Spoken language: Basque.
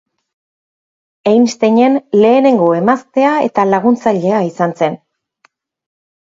Einsteinen lehenengo emaztea eta laguntzailea izan zen.